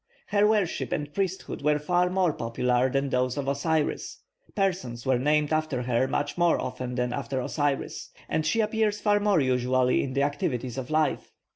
Her worship and priesthood were far more popular than those of Osiris, persons were named after her much more often than after Osiris, and she appears far more usually in the activities of life.